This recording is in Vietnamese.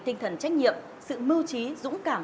tinh thần trách nhiệm sự mưu trí dũng cảm